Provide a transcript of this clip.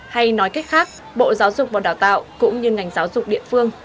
hay nói cách khác bộ giáo dục và đào tạo cũng như ngành giáo dục địa phương